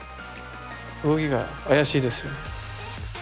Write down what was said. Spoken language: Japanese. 動きが怪しいですよ。